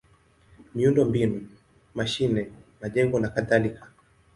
miundombinu: mashine, majengo nakadhalika.